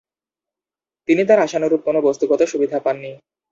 তিনি তার আশানুরূপ কোন বস্তুগত সুবিধা পাননি।